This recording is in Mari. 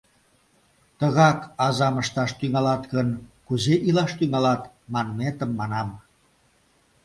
— «Тыгак азам ышташ тӱҥалат гын, кузе илаш тӱҥалат?» манметым манам.